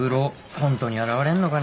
本当に現れんのかね。